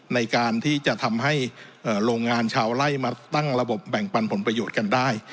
ในการที่จะทำให้โรงงานชาวไล่มาตั้งระบบแบ่งปันผลประโยชน์กันได้